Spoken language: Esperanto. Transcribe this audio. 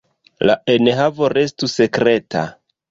La enhavo restu sekreta.